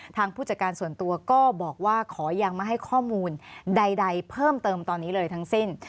ผู้จัดการส่วนตัวก็บอกว่าขอยังไม่ให้ข้อมูลใดเพิ่มเติมตอนนี้เลยทั้งสิ้น